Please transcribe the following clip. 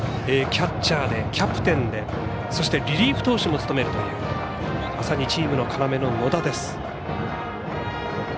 キャッチャーでキャプテンでリリーフ投手も務めるというまさにチームの要の野田です。